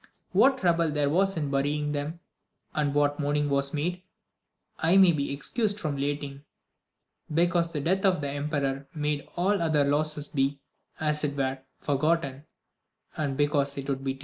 What trouble there was in burying them, and what mourning was made, I may be excused from relating, because the death of the em peror made all other losses be, as it were, forgotten, and because it would be tedious.